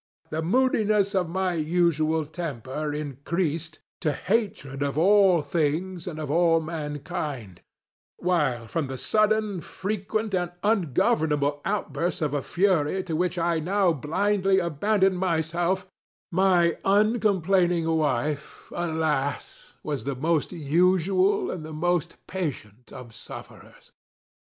The moodiness of my usual temper increased to hatred of all things and of all mankind; while, from the sudden, frequent, and ungovernable outbursts of a fury to which I now blindly abandoned myself, my uncomplaining wife, alas, was the most usual and the most patient of sufferers.